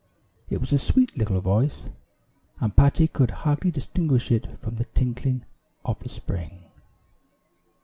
It was a sweet little voice, and Patty could hardly distinguish it from the tinkling of the spring.